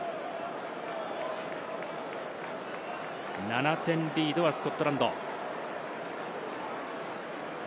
７点リードはスコットランド。